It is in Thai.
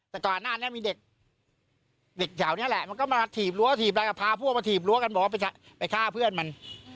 แต่ก่อนหน้านี้มีเด็กเด็กแถวนี้แหละมันก็มาถีบรั้วถีบอะไรกับพาพวกมาถีบรั้วกันบอกว่าไปฆ่าเพื่อนมัน